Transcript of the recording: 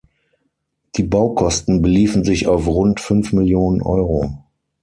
Die Baukosten beliefen sich auf rund fünf Millionen Euro.